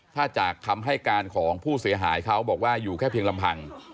ถ้าจากคำให้การของผู้เสียหายเขาบอกว่าอยู่แค่เพียงลำพัง